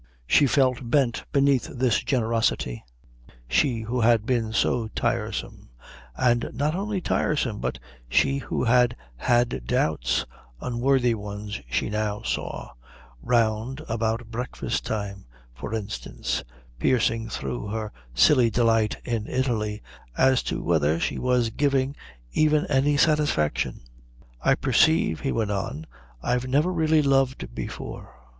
She felt bent beneath this generosity, she who had been so tiresome; and not only tiresome, but she who had had doubts, unworthy ones she now saw, round about breakfast time, for instance, piercing through her silly delight in Italy, as to whether she were giving even any satisfaction. "I perceive," he went on, "I've never really loved before.